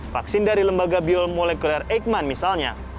vaksin dari lembaga biomolekuler eijkman misalnya